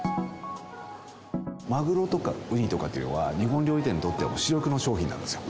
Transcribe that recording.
マグロとかウニとかは、日本料理店にとっては主力の商品なんですよ。